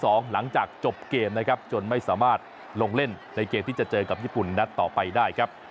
หลังจากจบเกมนะครับจนไม่สามารถลงเล่นในเกมที่จะเจอกับญี่ปุ่นนัดต่อไปได้ครับ